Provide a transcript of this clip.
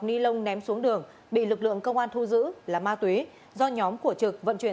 ni lông ném xuống đường bị lực lượng công an thu giữ là ma túy do nhóm của trực vận chuyển